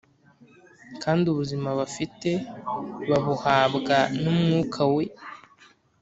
kandi ubuzima bafite babuhabwa n’umwuka we;